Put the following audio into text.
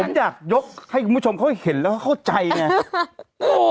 ผมอยากยกให้คุณผู้ชมเขาเห็นแล้วเขาเข้าใจไง